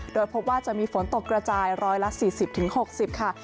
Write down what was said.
โดยพบว่าจะมีฝนตกกระจาย๑๔๐๖๐ค่ะ